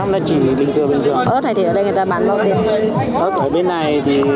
một bát ở đây